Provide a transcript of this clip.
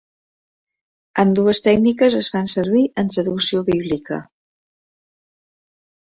Ambdues tècniques es fan servir en traducció bíblica.